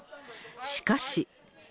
しかし。